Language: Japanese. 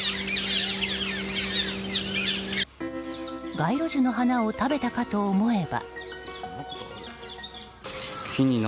街路樹の花を食べたかと思えば。